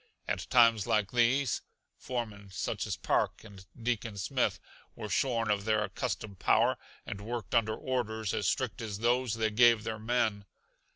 At times like these, foremen such as Park and Deacon Smith were shorn of their accustomed power, and worked under orders as strict as those they gave their men.